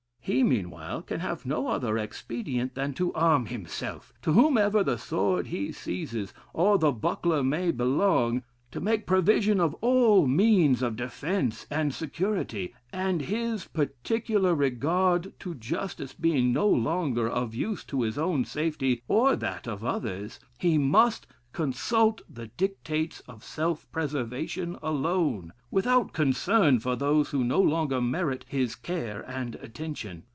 He, meanwhile, can have no other expedient than to arm himself, to whomever the sword he seizes, or the buckler may belong: to make provision of all means of defence and security: and his particular regard to justice being no longer of use to his own safety or that of others, he must consult the dictates of self preservation alone, without concern for those who no longer merit his care and attention....